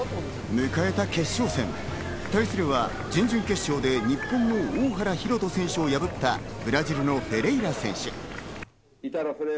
迎えた決勝戦、対するは準々決勝で日本の大原洋人選手を破ったフェレイラ選手。